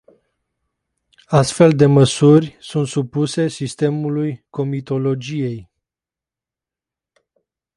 Astfel de măsuri sunt supuse sistemului comitologiei.